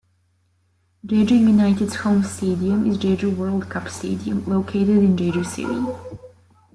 Jeju United's home stadium is Jeju World Cup Stadium, located in Jeju City.